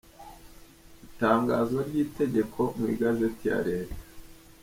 Itangazwa ry’itegeko mu igazeti ya Leta.